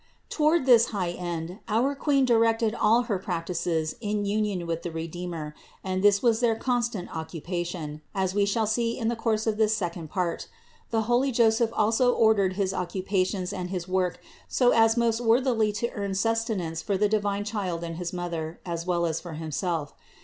Toward this most high end our Queen directed all her practices in union with the Redeemer, and this was their constant occupation, as we shall see in the course of this second part. The holy Joseph also ordered his occupa tions and his work so as most worthily to earn sus tenance for the divine Child and his Mother as well as for himself.